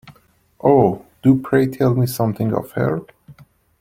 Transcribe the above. Oh, do pray tell me something of her.